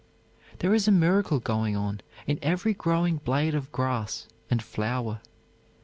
There is a miracle going on in every growing blade of grass and flower.